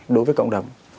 đối với cộng đồng